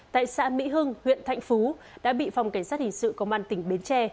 tại xã mỹ hưng huyện thạnh phú đã bị phòng cảnh sát hình sự công an tỉnh bến tre